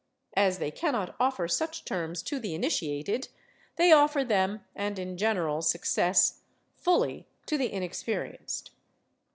As they cannot offer such terms to the initiated, they offer them and in general success—fully—to the inexperienced.